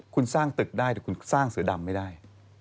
คุณสร้างตึกได้แต่คุณสร้างเสือดำไม่ได้